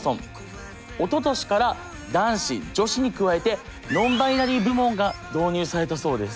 おととしから男子女子に加えてノンバイナリー部門が導入されたそうです。